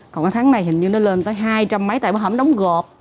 còn cái tháng này hình như nó lên tới hai trăm linh mấy tại bảo hảm đóng gộp